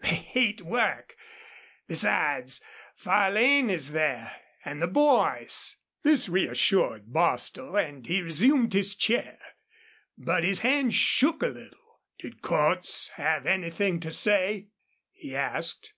They hate work. Besides, Farlane is there, an' the boys." This reassured Bostil, and he resumed his chair. But his hand shook a little. "Did Cordts have anythin' to say?" he asked.